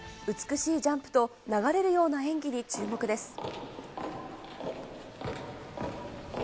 美しいジャンプと流れるような演技に注目です。